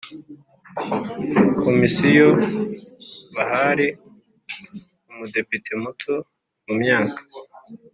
Komisiyo bahari Umudepite muto mu myaka